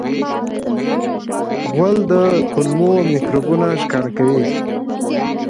غول د کولمو میکروبونه ښکاره کوي.